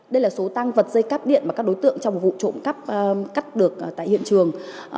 đây là số tăng vật dây cáp điện mà các đối tượng trong vụ trộm cắt được tại hiện trường